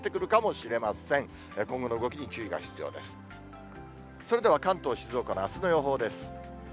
それでは関東、静岡のあすの予報です。